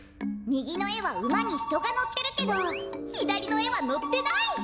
みぎのえはうまにひとがのってるけどひだりのえはのってない！